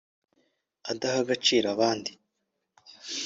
adaha agaciro abandi